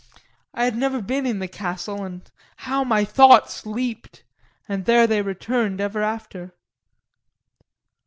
] I had never been in the castle and how my thoughts leaped and there they returned ever after.